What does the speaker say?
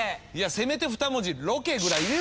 せめて２文字ロケぐらい言え。